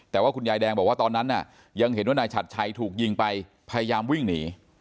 แต่ว่าคุณยายแดงบอกว่าตอนนั้นยังเห็นว่านายฉัดชัยถูกยิงไปพยายามวิ่งหนี